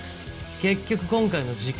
結局今回の事件